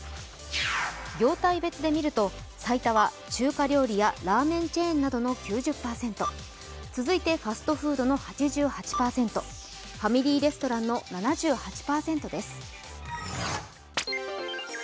業態別で見ると最多は中華料理やラーメンチェーンなどの９０％続いてファストフードの８８％、ファミリーレストランの７８％です。